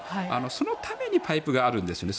そのためにパイプがあるんですね。